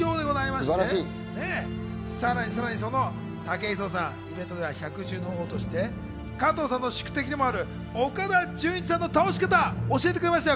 武井壮さん、イベントでは百獣の王として加藤さんの宿敵でもある岡田准一さんの倒し方を教えてくれましたよ。